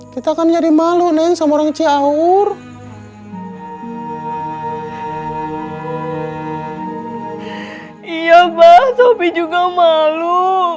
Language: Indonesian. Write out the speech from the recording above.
kita akan nyari malu neng sama orang ciaur iya bah sopi juga malu